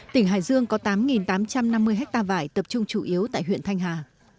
tỉnh hải dương có tám tám trăm năm mươi hectare vải tập trung chủ yếu tại huyện thanh hà